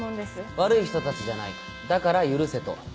悪い人たちじゃないだから許せと？